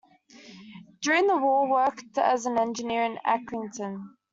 During the war, worked as an engineer in Accrington.